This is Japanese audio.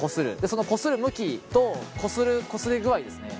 そのこする向きとこするこすり具合ですね。